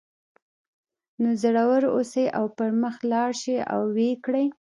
نو زړور اوسئ او پر مخ لاړ شئ او ویې کړئ